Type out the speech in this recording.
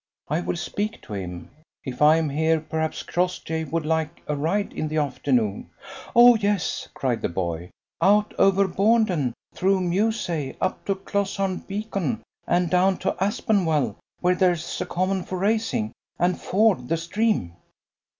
I will speak to him. If I am here, perhaps Crossjay would like a ride in the afternoon." "Oh, yes," cried the boy; "out over Bournden, through Mewsey up to Closharn Beacon, and down on Aspenwell, where there's a common for racing. And ford the stream!"